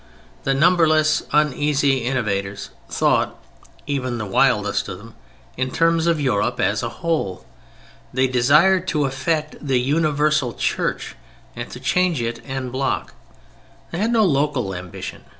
The numberless uneasy innovators thought, even the wildest of them, in terms of Europe as a whole. They desired to affect the universal Church and change it en bloc. They had no local ambition.